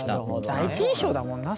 第一印象だもんな